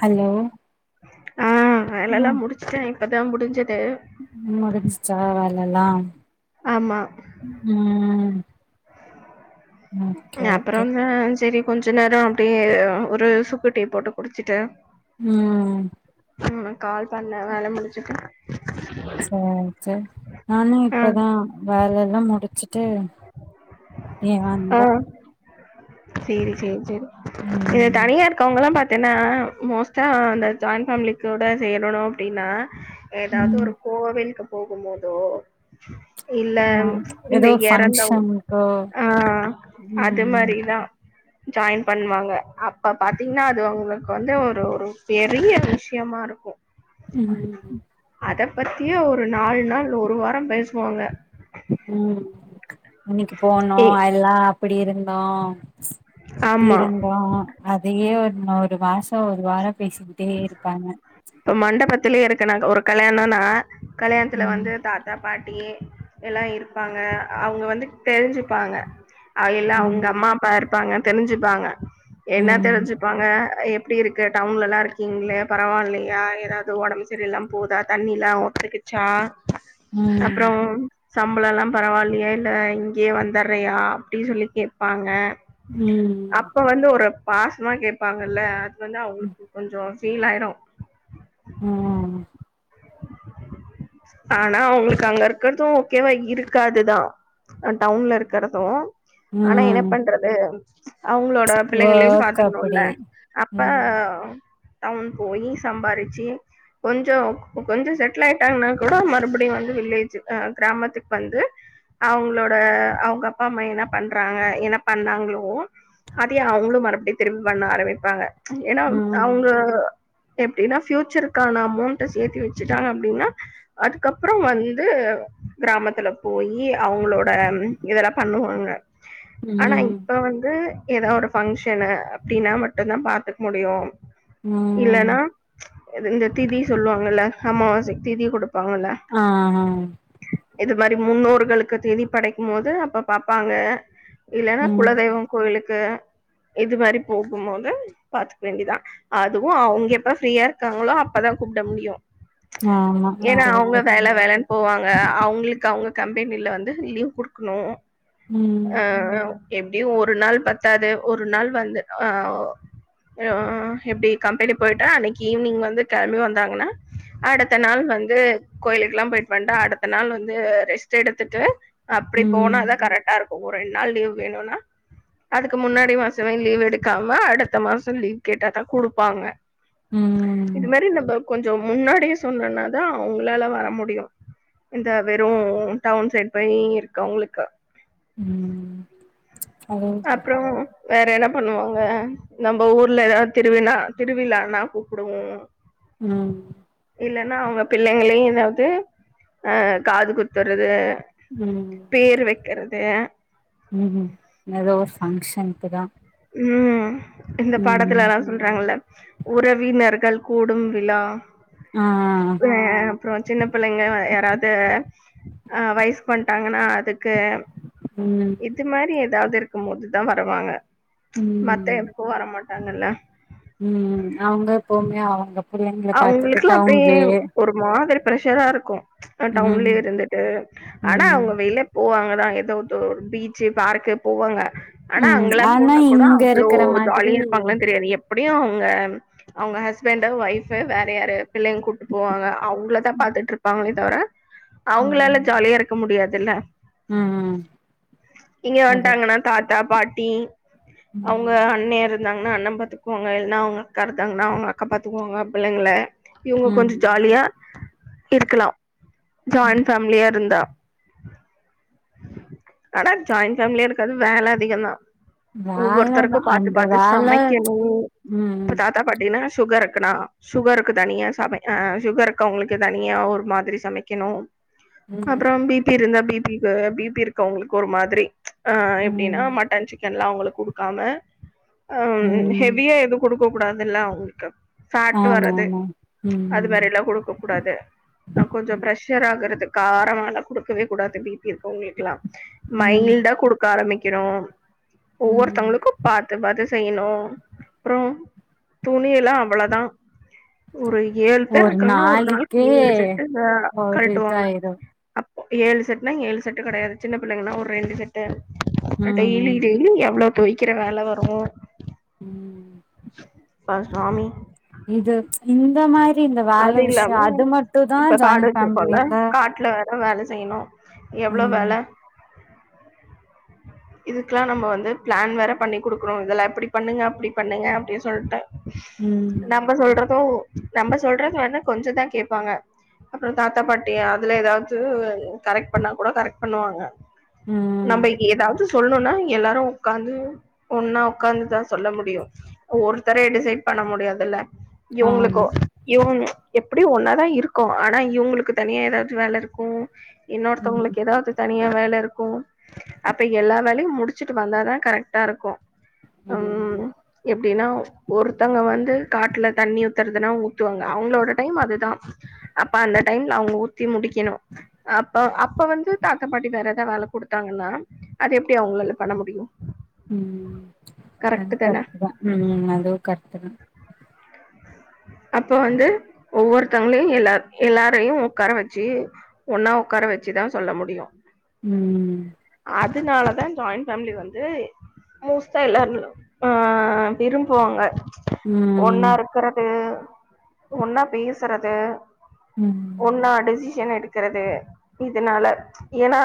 hello ஆ வேலெல்லா முடிச்சுட்டே இப்தா முடிஞ்சிது முடிச்சிச்சா வேலல்லா ஆமா ம் ஓகே ஓகே அப்பறம் தா செரி கொஞ்ச நேரோ அப்புடியே ஒரு சுக்கு டீ போட்டு குடிச்சிட்டு ம் நம்ம கால் பண்ண வேல முடிசிட்ட சேர் சேரி நானு ஆ இப்பதா வேல எல்லா முடிச்சிட்டு அப்டியே ஆ வந்த சேரி சேரி சேரி ம் தனியா இருக்கவுங்ளா பாத்தீன்னா மோஸ்ட்டா அந்த ஜாயின் ஃபேமிலிக் கூட சேரணு அப்டின்னா ஏதாது ம் ஒரு கோவிலுக்கு போகும் போதோ இல்ல ஆ இந்த ஏதோ எறந்தவு ஃபங்க்ஷனுக்கு ஆ அது ம் மாரி தா ஜாயின் பண்ணுவாங்க அப்ப பாத்தீங்னா அது அவுங்களுக்கு வந்து ஒரு ஒரு பெரிய விஷயமா இருக்கு ம் அத பத்தியே ஒரு நாலு நாள் ஒரு வாரம் பேசுவாங்க ம் அன்னக்கி போனோ ஏ அதுல்லா அப்டி இருந்தோ இப்டி ஆமா இருந்தோ அதையே ஒரு ஒரு மாசோ ஒரு வாரோ பேசிக்கிட்டே இருப்பாங்க இப்ப மண்டபத்திலயே இருக்கனா ஒரு கல்யாணன்னா கல்யாணத்துல ம் வந்து தா த்தா பாட்டி எல்லா இருப்பாங்க அவங்க வந்து தெரிஞ்சுப்பாங்க அவிகில்லா அவங்க ம் அம்மா அப்பா இருப்பாங்க தெரிஞ்சுப்பாங்க என்ன ம் தெரிஞ்சு ப்பாங்க எப்டி இருக்கு டவுன்ல எல்லா இருக் கீங்களே பரவால்லயா எதாவது ஒடம்பு சரியில்லாம போகுதா தண்ணி எல்லா ஒத்துக்கிச்சா ம் அப்புறம் சம்பளோ எல்லா பரவால்லயா இல்ல இங்கேயே வந்துற்றயா அப்டி சொல்லி கேப்பாங்க ம் அப்ப வந்து ஒரு பாசமா கேப்பாங்கல்ல அது வந்து அவங்களுக்கு கொஞ்சோ ஃபீல் ஆயிரு ம் ஆனா அவங்களுக்கு அங்க இருக்கறது ஓகேவா இருக்காதுதா டவுன்ல இருக்கிறது ஆனா என்ன ம் பண்றது அவங்களோட பிள்ளைங்களையு ஒர்க் பாத்துக்கணுல்ல அப்படி அப்ப ம் டவுன் போயி சம்பாரிச்சு கொஞ்சோ கொஞ்சோ செட்டில் ஆயிட்டாங்கன்னா கூட மறுபடியு வந்து வில்லேஜ் ஆ கிராமத்துக்கு வந்து அவங்களோட அவங்க அப்பா அம்மா என்ன பண்றாங்க என்ன பண்ணாங்ளோ அதையே அவுங்களு மறுபடியு திரும்பி பண்ண ஆரம்பிப்பாங்க ஏன்னா ம் அவுங்க எப்டின்னா ஃபியூச்சருக்கான அமௌண்ட்ட சேத்தி வெச்சுட்டாங்க அப்டின்னா அதுக்கப்றோ வந்து கிராமத்துல போயி அவங்களோட இதெல்லா பண்ணுவாங்க ஆனா ம் இப்ப வந்து ஏதா ஒரு ஃபங்க்ஷனு அப்டின்னா மட்டு தா பாத்துக்க முடியு ம் இல்லனா இந்த திதி சொல்லுவாங்கல்ல அமாவாசைக்கி திதி குடு ப்பாங்கல்ல ஆ ஆ இது மாரி முன்னோர்களுக்கு திதி படைக்கும் போது அப்ப பாப்பாங்க இல்லன்னா ம் குலதெய்வம் கோயிலுக்கு இது மாரி போகும்போது பாத்துக்க வேண்டிதா அதுவு அவுங்க எப்ப ஃப்ரீயா இருக்காங்களோ அப்பதா கூப்ட முடியு ஆமா ஏன்னா அதுவு அவங்க கரெக்ட் வேல வேல போவாங்க அவுங்களுக்கு அவுங்க கம்பேனில வந்து லீவ் குடுக்கணு ம் ஆ எப்டியு ஒரு நாள் பத்தாது ஒரு நாள் வந்து ஆ ஆ எப்டி கம்பேனி போய்ட்டா அன்னிக்கி ஈவ்னிங் வந்து கெளம்பி வந்தாங்கன்னா அடுத்த நாள் வந்து கோயிலுக்குல்லா போயிட்டு வண்டு அடுத்த நாள் வந்து ரெஸ்ட் எடுத்துட்டு அப்டி ம் போனா தா கரெக்டா இருக்கு ஒரு ரெண்டு நாள் லீவ் வேணுனா அதுக்கு முன்னாடி மாசமே லீவ் எடுக்காம அடுத்த மாச லீவ் கேட்டாதா குடுப்பாங்க ம் இது மாரி நம்ம கொஞ்சோ முன்னாடியே சொன்னோன்னாதா அவங்களால வர முடியு இந்த வெறு டவுன் சைட் போய் இருக்கவங்களுக்கு ம் அதுவு கரெக்ட் அப்றோ தா வேற என்ன பண்ணுவாங்க நம்ம ஊர்ல எதாவது திருவிழா திருவிழானா கூப்பிடுவோ ம் இல்லன்னா அவுங்க பிள்ளைங்களை எதாவது ஆ காது குத்தறது ம் பேரு வெக்கிறது ம் ஹும் ஏதோ ஒரு ஃபங்க்ஷனுக்கு தா ம் இந்த ம் பாடத்துல அதா சொல்றாங்கல்ல உறவினர்கள் கூடும் விழா அ ஆ வேற பிரச்ன பண்ணீங்க யாராவது அ வயஸ்க்கு வண்டாங்கன்னா அதுக்கு ம் இத் மாரி எதாது இருக்கூ போது தா வருவாங்க மத்த ம் எதுக்கூ வர மாட்டாங்கல்ல ம் ம் அவங்க எப்பவுமே அவுங்க அவுங்களுக்குலா அப்டியே ஒரு மாரி பிரஷ்ஷரா இருக்ககூ ம் டவுன்லே இருந்துட்டு ஆனா ம் அவுங்க வெளில போவாங்கதா ஏதோது ஒரு பீச்சு பார்க்கு போவாங்க ஆனா ம் அங்கெல்லாம் ஆனா போனா கூட இங்க அவ்ளோ இருக்கற மாதிரி ஜாலியா இருப்பாங்களான்னு தெரியாது அப்டியூ அவங்க அவுங்க ஹஸ்பண்ட் ஒய்ஃப் வேற யார பிள்ளைங்க கூப்டு போவாங்க அவுங்களதா பாத்துட்டு இருப்பாங்களே தவிர அவுங்களால ம் ஜாலியா இருக்க முடியாதுல்ல ம் ஹூம் இங்க வந்ட்டாங்கன்னா தாத்தா பாட்டி அவுங்க ம் அண்ணியர் இருந்தாங்கன்னா அண்ண பாத்துக்குவாங்க இல்னா அவங்கா இருந்தாங்கன்னா அவங்க அக்கா பாத்துக்குவாங்க பிள்ளைங்கள இவுங்க ம் கொஞ்சொ ஜாலியா இருக்கலா ம் ஜாயிண்ட் ஃபேமிலியா இருந்தா ஆனா ஜாயின்ட் ஃபேமிலியா இருந்தாலூ வேல அதிகந் தா ஒவ்வொருத்தருக்கூ வேலதா பாத்து அந்த பாத்து வேல சமைக்கணூ ம் தாத் தா பாட்டீன்னா சுகர் இருக்கனா சுகருக்கு தனியா சமைக்க ஆ சுகருக்கு அவங்களுக்கு தனியா ஒரு மாதிரி சமைக்கணூ ம் அப்புறோ பி பி இருந்தா பி பி வேற பி பி இருக்கவுங்களுக்கு ஒரு மாதிரி ‌ஆ எப்டின்னா ம் மட்டன் சிக்கன்லா அவுங்களுக் குடுக்காம ஆ ம் ஹெவியா எதுவூ குடுக்க கூடாதுல்ல அவுங்களுக்கு ஃபேட் ஆமா வர்றது ஆமா அது ம் மாதிரில்லா கொடுக்கூ கூடாது அ கொஞ்சசொ ப்ரெஷர் ஆகுறதுக்கு காரம்ல்ல கொடுக்கவே கூடாது பி பி இருக்குறவுங்களுக்குல்லா ம் மைல்டா குடுக்க ஆரம்பிக்கினோ ம் ஒவ்வொருத்தவுங்களுக்கு பாத்து பாத்து செய்யணூ அப்புறோ துணி எல்லா அவ்ளோதா ஒரு ஏழு பேர் இருக்குறாங்கன்னா ஒரு நாளைக்கு ஏழு செட்டு அ ஒரு கழட்டுவாங்க இதாயிரு ஏழு செட்னா ஏழு செட்டு கிடையாது சின்ன பிள்ளைங்கன்னா ஒரு ரெண்டு செட் அ ம் டெய்லி டெய்லி எவ்ளோ தொவைக்கிற வேல வரூ ம் அப்பா சாமி இது இந்த மாதிரி இந்த வேல அது விஷயோ இல்லாம அது மட்டும் தா ஜாயிண்ட் ஃபேமிலியிலா அதா வேல செய்யணூ எவ்ளே ம் வேல இதுக்கெல்லா நம்ம வந்து பிளான் வேற பண்ணி கொடுக்குறோ இதுலா இப்படி பண்ணுங்க அப்படி பண்ணுங்க அப்படின் சொல்ட்டே ம் நம்ம சொல்றதூ நம்ப சொல்ற மார் தா கொஞ்சொ தா கேட்பாங்க அப்புறோ தாத்தா பாட்டி அதுலா ஏதாவது கரெக்ட் பண்ணா கூட கரெக்ட் பண்ணுவாங்க ம் நம்பைக்கி ஏதாவது சொல்லணுன்னா எல்லாரூ உக்காந்து ஒன்னா உக்காந்துதா சொல்ல முடியூ ஒருத்தர டிசைட் பண்ண முடியாதுல்லா இவங்களுக்கூ ஆமா இவுங் எப்படியூ ஒன்னாதா இருக்கோ ஆனா இவங்களுக்கு தனியா ஏதாவது வேல இருக்கூ ம் இன்னொருத்தவங்களுக்கு ஏதாவது தனியா வேல இருக்கூ அப்போ எல்லா வேலையூ முடிச்சுட்டு வந்தாதா கரெக்ட்டா இருக்கூ ம் எப்டின்னா ஒருத்தவங்க வந்து காட்டுல தண்ணி ஊத்துறதுன்னா ஊ வாங்க அவங்களோட டைம் அதுதா அப்ப அந்த டைம்ல அவங்க ஊத்தி முடி என்னமோ அப்ப அப்ப வந்து தாதா பாட்டி வேற ஏதாவது வேல கொடுத்தாங்கன்னா அது எப்டி அவங்களால பண்ண முடியு ம் அது கரெக்ட் தான கரெக்ட்டுதா ம் அது கரெக்ட்டுதா அப்ப வந்து ஒவ்வொருத்தவங்களையு எல்லா எல்லாரையு உக்கார வச்சு ஒன்னா ஒட்கார வச்சுதா சொல்ல முடியு ம் அதனாலதா ஜாயிண் ஃபேமிலி வந்து மோஸ்ட்டா எல்லாரு அ விரும்புவாங்க ம் ஒன்னா இருக்கறது ஒன்னா பேசுறது ம் ம் ஒன்னா டிசிஷன் எடுக்குறது இதனால ஏன்னா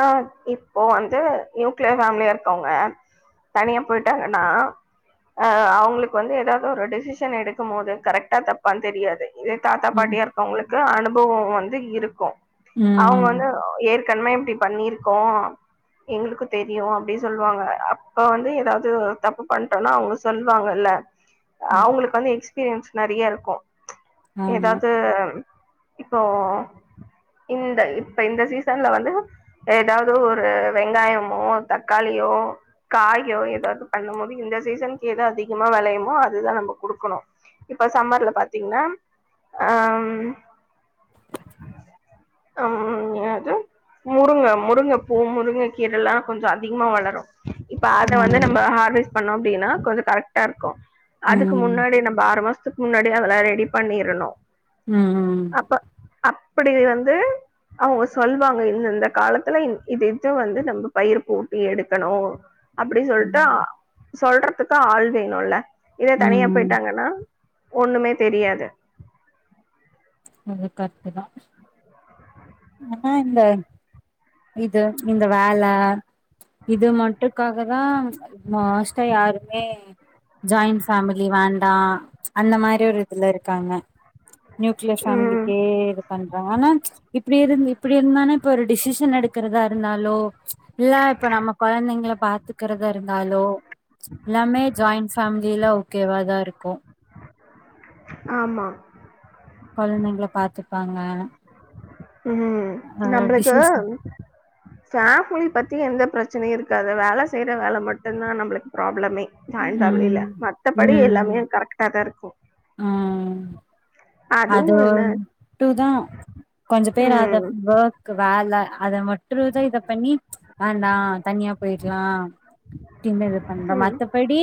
இப்ப வந்து நியூக்ளிய பேமிலியா இருக்கவங்க தனியா போயிட்டாங்கன்னா ஆ அவங்களுக்கு வந்து ஏதாவது ஒரு டிெசிஷன் எடுக்கும் போது கரெக்டா தப்பான்னு தெரியாது இதே தாத்தா பாட்டியா இருக்கவங்களுக்கு அனுபவோ வந்து இருக்கு அவ்ங்க ம் வந்து [unintelligible] இப்டி பண்ணிருக்கோ எங்குளுக்கு தெரியு அப்படின் சொல்லுவாங்க அப்ப வந்து ஏதாவது தப்பு பண்ணிட்டோன்னா அவுங்க சொல்லுவாங்கல்லா ம் அவுங்களுக்கு வந்து எக்ஸ்பீரியன்ஸ் நெறைய இருக்கு ஆமா ஏதாவது இப்போ இந்த இப்ப இந்த சீசன்லா வந்து ஏதாவது ஒரு ஒரு வெங்காயமோ தக்காளியோ காயோ ஏதாவது பண்ணும்போது இந்த சீசனுக்கு எத அதிகமா வெளையுமோ அதுதா நம்ம குடுக்குணு இப்ப சம்மர்லா பாத்தீங்கன்னா ஆ ம் ம் எது முருங்க முருங்க போ முருங்க கீரல்லா கொஞ்சோ அதிகமா வளரு இப்ப அத ஆமா வந்து நம்ம ஹார்வஸ்ட் பண்ணொ அப்டின்னா கொஞ்சோ கரெக்டா இருக்கு அதுக்கு ம் முன்னாடி நம்ம ஆறு மாசத்துக்கு முன்னாடி அதெல்லா ரெடி பண்ணிரணு ம் ம் அப்ப அப்படி வந்து அவங்க சொல்வாங்க இந்த இந்த காலத்துலா இந் இது இது வந்து நம்ம பயிர் போட்டு எடுக்கணு அப்படி சொல்லிட்டு சொல்றதுக்கு ஆள் வேணுமல்லா இதே தனியா ம் போயிட்டாங்கன்னா ஒண்ணுமே தெரியாது அது கரெட்டு தா ஆனா இந்த இது இந்த வேல இது மட்டுக்காக தா மோஸ்டா யாருமே ஜாயிண் பேமிலி வேண்டா அந்த மாரி ஒரு இதுல இருக்காங்க நியூக்ளியர் ம் பேமிலிக்கே இது பண்றாங்க ஆனா இப்டி இருந்து இப்டி இருந்தானே இப்ப ஒரு டிசிஷன் எடுக்கிறதா இருந்தாலோ இல்ல இப்ப நம்ம கொழந்தைங்க ல பாத்து இருக்கரதா இருந்தாலோ எல்லாமே ஜாயிண் பேமிலிலா ஓகேவா தா இருக்கு ஆமா கொழந்தைங்கல பாத்துப்பாங்க ம் ஆ நம்புலுக்கு டிசிஷன் பேமிலி பத்தி எந்த பிரச்சனையு இருக்காது வேல செய்யற வேல மட்டுந்தா நம்மளுக்கு ப்ராப்ளமே ஜாயின் பேமிலி ல ம் மத்தபடி எல்லாமே கரெக்ட்டா தா இருக்கு ம் அது அதுவு என்ன டு தா கொஞ்ச பேர் அத ம் போ க்கு வேல அத மட்டு ரூஜா இத இத பண்ணி வேண்டா தனியா போயிடலா டின்ன இது பண்றோ ம் மத்தப டி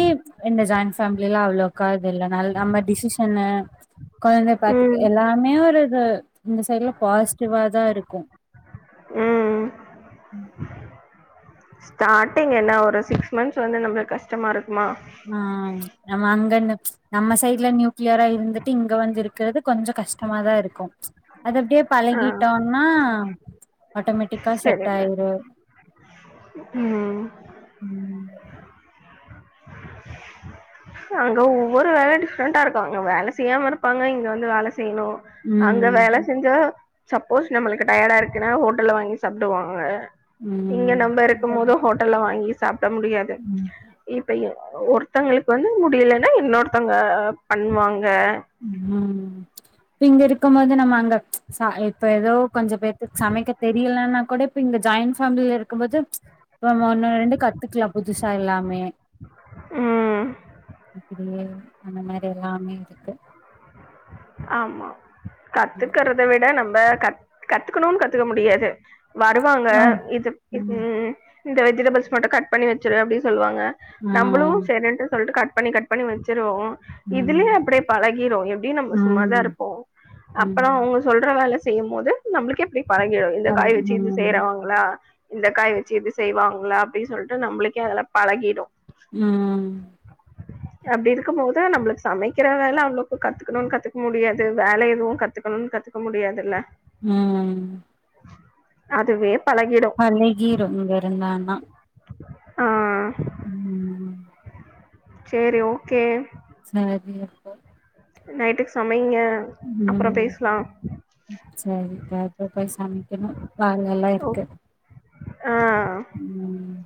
இந்த ஜாயின் ஃபேமிலிலலா அவளோக்கா இது இல்ல நாலு நம்ப டிசிஷனு கோ பாத்துக்க ம் எல்லாமே ஒரு இது இந்த சைட்ல பாசிட்டிவா தா இருக்கு ம் ம் ஸ்டார்டிங் என்ன ஒரு சிக்ஸ் மந்த்ஸ் வந்து நம்மளுக்கு கஷ்டமா இருக்குமா ம் நம்ம அங்க இருந்து நம்ம சைட்ல நியூக்ளியரா இருந்துட்டு இங்க வந்து இருக்கிறது கொஞ்ச கஷ் கஷ்டமா தா இருக்கு அது அப்டியே ஆ பழகிட்டோனா ஆட்டோமேட் டிக்கா செட் சரி ஆயிரு ம் ம் அங்க ஒவ்வொரு வேல டிஃப்ரெண்டா இருக்கு அங்க வேல செய்யாம இருப்பாங்க இங்க வந்து வேல செய்யணு அங்க ம் வேல செஞ்சா சப்போஸ் நம்மளுக்கு டயர்டா இருக்குனா ஹோட்டல்ல வாங்கி சாப்பிடுவாங்க இங்க ம் நம்ப இருக்கும் போது ஹோட்டல்லா வாங்கி சாப்பிட முடியாது ம் இப்ப எ ஒருத்தங்களுக்கு வந்து முடியலனா இன்னொருத்தங்க பண்ணுவாங்க ம் இப்ப இங்க இருக்கம் போது நம்ம அங்க சா இப்ப ஏதோ கொஞ்ச பேத்துக்கு சமைக்க தெரியலனா கூட இப்ப இங்த ஜாயின் பேமிலில இருக்கும் போது இப்ப நம்ம ஒன்னு ரெண்டு கத்துக்கலா புதுசா எல்லாமே ம் இப்டியே அந்த மாரி எல்லாமே இரு ஆமா கத்துக்கறத விட நம்ப கத் கத்துக்கணுனு கத்துக்க முடியாது வருவாங்க ஆ இது இ ம் இந்த வெஜிடபிள்ஸ் மட்டும் கட் பண்ணி வச்சரு அப்டின்னு சொல்லுவாங்க ஆ நம்மளு சரின்ட்டு சொல்ட்டு கட் பண்ணி கட் பண்ணி வச்சுருவோ ம் இதுலயே அப்டியே பழகிரு எப்டினு நம்ப ஸ் தா ம் இருப்போ அப்பற ம் அவுங்க சொல்ற வேல செய்யும்போது நம்மளுக்கே இப்டி பழகிடு இந்த அது காய் வச்சு இது ம் செய்றவாங்களா இந்த காய் வச்சு இது செய்வாங்களா அப்டி சொல்ட்டு நம்மளுக்கே அதுலா பழகிடு ம் அப்டி இருக்கும் போது நம்மளுக்கு சமைக்கிற வேல அவ்ளோக்கு கத்துக்கணுனு கத்து முடியாது வேல எதுவு கத்துக்கணுனு கத்துக்க முடியாதுல்ல ம் அதுவே பழகிடு பழகிரு இங்க இருந்தானா ஆ ம் சேரி ஓகே சரி அப்போ நைட்டுக்கு சமைங்க அப்பற பேசலா சரி காப்ப போய் சமைக்கணு வாங்க எல்லா ஓ இருக்கு ஆ ம்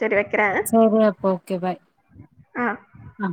சரி வக்கிறே [unintelligible] அப்போ ஓகே பாய் ஆ